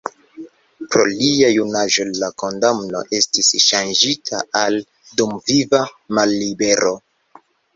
Pro lia junaĝo la kondamno estis ŝanĝita al dumviva mallibero.